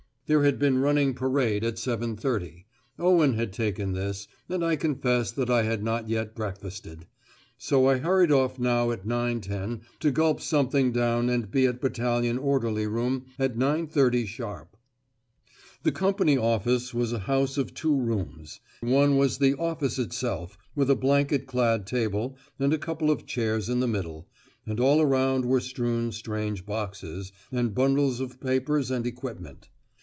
There had been running parade at seven thirty. Owen had taken this, and I confess that I had not yet breakfasted. So I hurried off now at 9.10 to gulp something down and be at battalion orderly room at 9.30 sharp. The company office was a house of two rooms; one was the "office" itself, with a blanket clad table and a couple of chairs in the middle, and all around were strewn strange boxes, and bundles of papers and equipment.